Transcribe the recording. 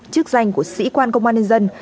chức danh của sĩ quan công an nhân dân